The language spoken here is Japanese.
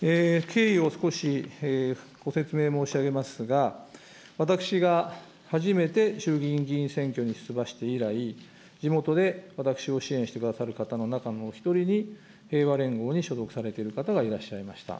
経緯を少しご説明申し上げますが、私が初めて衆議院議員選挙に出馬して以来、地元で私を支援してくださる方の中のお一人に、平和連合に所属されている方がいらっしゃいました。